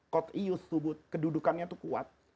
kod iyuthubut kedudukannya itu kuat